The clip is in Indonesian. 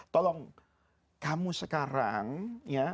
tolong kamu sekarang ya